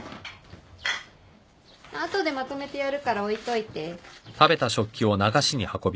あとでまとめてやるから置いといて。